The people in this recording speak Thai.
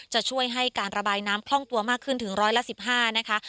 จะช่วยให้การระบายน้ำคล่องตัวมากขึ้นถึงร้อยละ๑๕นะคะ